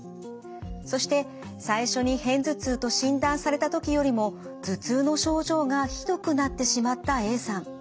そして最初に片頭痛と診断された時よりも頭痛の症状がひどくなってしまったＡさん。